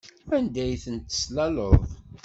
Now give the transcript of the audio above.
Anda ay ten-teslaleḍ?